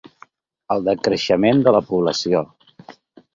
El decreixement de la població.